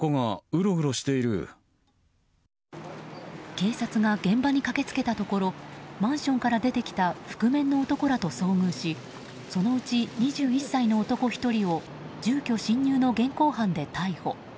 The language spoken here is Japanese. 警察が現場に駆け付けたところマンションから出てきた覆面の男らと遭遇しそのうち２１歳の男１人を住居侵入の現行犯で逮捕。